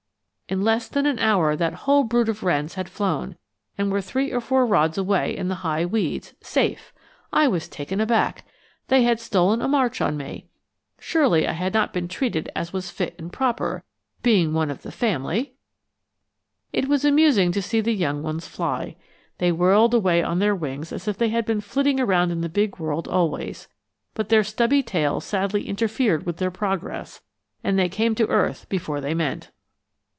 In less than an hour that whole brood of wrens had flown, and were three or four rods away in the high weeds safe! I was taken aback. They had stolen a march on me. Surely I had not been treated as was fit and proper, being one of the family! It was amusing to see the young ones fly. They whirled away on their wings as if they had been flitting around in the big world always; but their stubby tails sadly interfered with their progress, and they came to earth before they meant.